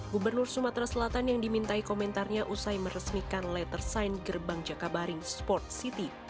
gubernur sumatera selatan yang dimintai komentarnya usai meresmikan letter sign gerbang jakabaring sport city